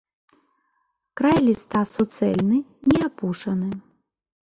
Край ліста суцэльны, не апушаны.